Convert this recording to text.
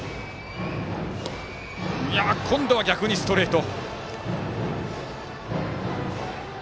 今度は逆にストレート。